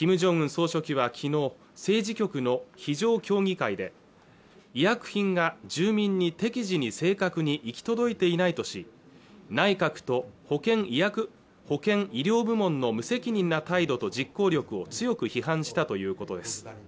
総書記はきのう政治局の非常協議会で医薬品が住民に適時に正確に行き届いていないとし内閣と保健医療部門の無責任な態度と実行力を強く批判したということです